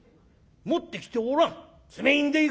持ってきておらん？